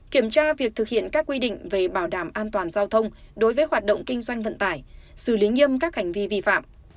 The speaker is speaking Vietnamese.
kiểm tra việc thực hiện các quy định về bảo đảm an toàn giao thông đối với hoạt động kinh doanh vận tải xử lý nghiêm các hành vi vi phạm